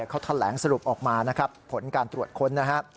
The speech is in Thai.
เขาแถลงสรุปออกมาผลการตรวจค้น